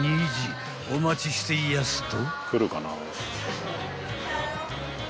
［お待ちしていやすと］